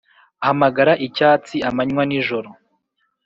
hamagara icyatsi amanywa n'ijoro.